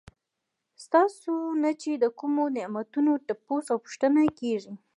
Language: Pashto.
ستاسو نه چې د کومو نعمتونو تپوس او پوښتنه کيږي